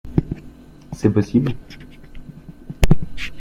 C’est possible ?